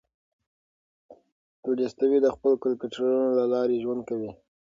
تولستوی د خپلو کرکټرونو له لارې ژوند کوي.